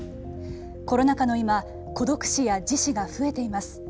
コロナ禍の今孤独死や自死が増えています。